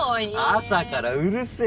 朝からうるせぇ。